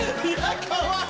かわいい！